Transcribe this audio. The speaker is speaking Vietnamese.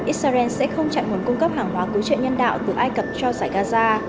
israel sẽ không chặn nguồn cung cấp hàng hóa cứu trợ nhân đạo từ ai cập cho giải gaza